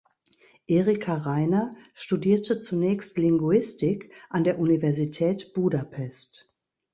Erica Reiner studierte zunächst Linguistik an der Universität Budapest.